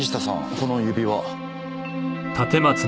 この指輪。